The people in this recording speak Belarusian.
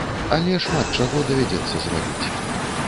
Але шмат чаго давядзецца зрабіць.